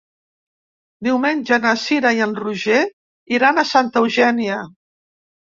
Diumenge na Cira i en Roger iran a Santa Eugènia.